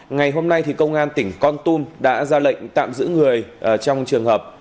ngày hôm nay công an tỉnh con tum đã ra lệnh tạm giữ người trong trường hợp